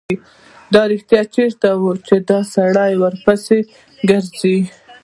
دا به رښتیا چېرته وي چې دا سړی ورپسې ګرځي.